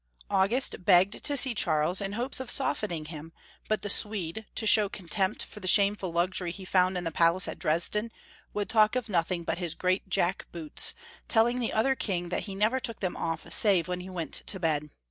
August begged to see Charles, in hopes of softening him, but the Swede, to show contempt for the shameful luxury he found in the palace at Dresden, would talk of nothing but liis great jack boots, telling the other king that he never took them off save when he went to bed.